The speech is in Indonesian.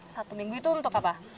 satu minggu itu untuk apa